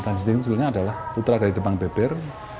tan jin sing sebenarnya adalah putra dari demang beber